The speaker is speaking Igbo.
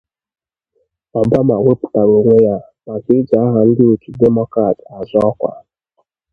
Obama weputere onwe ya maka iji aha ndị otu Demokrat azọ ọkwa